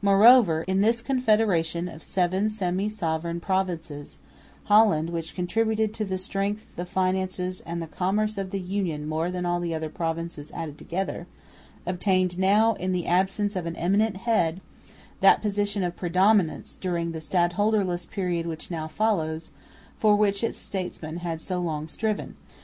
Moreover, in this confederation of seven semi sovereign provinces, Holland, which contributed to the strength, the finances and the commerce of the Union more than all the other provinces added together, obtained now, in the absence of an "eminent head," that position of predominance, during the stadholderless period which now follows, for which its statesmen had so long striven.